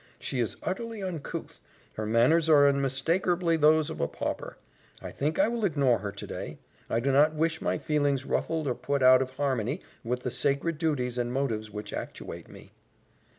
"She is utterly uncouth. Her manners are unmistakerbly those of a pauper. I think I will ignore her today. I do not wish my feelings ruffled or put out of harmony with the sacred duties and motives which actuate me."